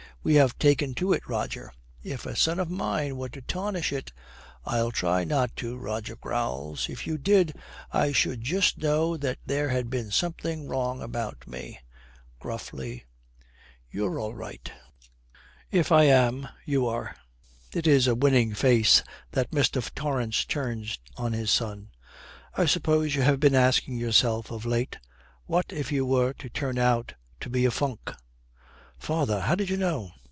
We have taken to it, Roger. If a son of mine were to tarnish it ' 'I'll try not to,' Roger growls. 'If you did, I should just know that there had been something wrong about me.' Gruffly, 'You're all right.' 'If I am, you are.' It is a winning face that Mr. Torrance turns on his son. 'I suppose you have been asking yourself of late, what if you were to turn out to be a funk!' 'Father, how did you know?'